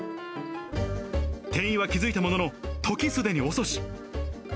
店員は気付いたものの、時すでに遅し。